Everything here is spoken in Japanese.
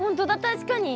確かに。